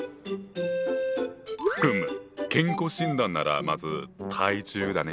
ふむ健康診断ならまず体重だね。